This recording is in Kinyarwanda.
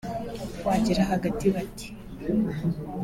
wagera hagati bati